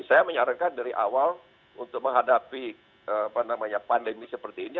saya menyarankan dari awal untuk menghadapi pandemi seperti ini